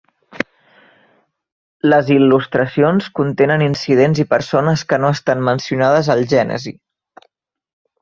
Les il·lustracions contenen incidents i persones que no estan mencionades al Gènesi.